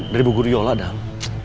dari bu gurjola dang